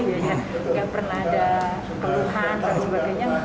gak pernah ada kebuahan dan sebagainya